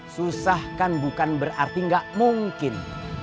susah kan bukan berarti nggak mungkin